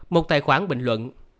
một tài khoản bình luận